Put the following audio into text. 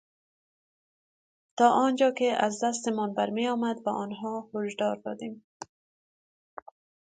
تا آنجا که از دستمان بر میآمد به آنها هشدار دادیم.